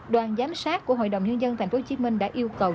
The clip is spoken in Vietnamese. đoàn giám sát của hội đồng nhân dân thành phố hồ chí minh đã yêu cầu